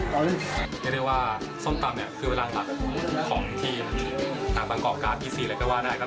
ไม่ได้ว่าส้มตำเนี้ยคือเวลาขับของพิธีหากบางกรองการที่สี่เลยก็ว่าก็ได้ครับ